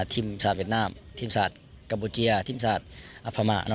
ทีมศาสตร์เวียดนามทีมศาสตร์กาโบเจียทีมศาสตร์อัภพรรณ